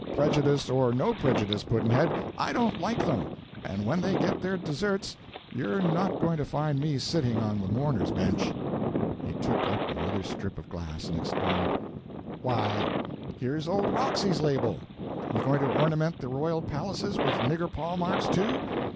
Prejudice or no prejudice, Pudd'nhead, I don't like them, and when they get their deserts you're not going to find me sitting on the mourner's bench." He took up another strip of glass, and exclaimed "Why, here's old Roxy's label! Are you going to ornament the royal palaces with nigger paw marks, too?